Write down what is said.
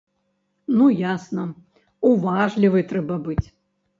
Ну ясна, уважлівай трэба быць.